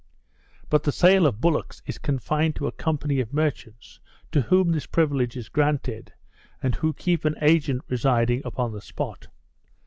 But the sale of bullocks is confined to a company of merchants; to whom this privilege is granted, and who keep an agent residing upon the spot.